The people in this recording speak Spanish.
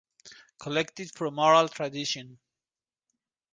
Collected From Oral Tradition".